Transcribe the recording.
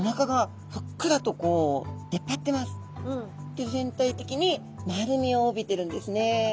で全体的に丸みを帯びてるんですね。